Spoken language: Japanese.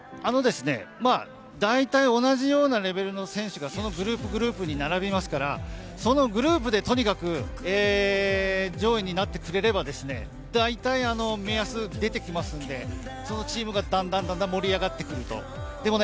だいたい同じようなレベルの選手がそのグループグループに並びますから、そのグループでとにかく上位になってくれればだいたい目安が出てきますので、そのチームがどんどん盛り上がってくると。